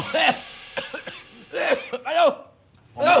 หนุ่มเบอร์หนุ่ม